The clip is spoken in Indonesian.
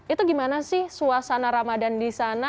itu gimana sih suasana ramadan di sana